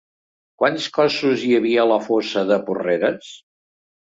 Quants cossos hi havia a la fossa de Porreres?